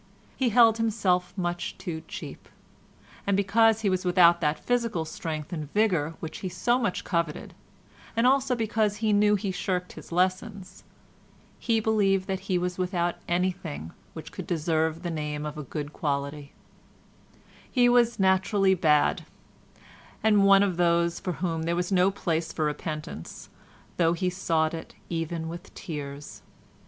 He held himself much too cheap, and because he was without that physical strength and vigour which he so much coveted, and also because he knew he shirked his lessons, he believed that he was without anything which could deserve the name of a good quality; he was naturally bad, and one of those for whom there was no place for repentance, though he sought it even with tears.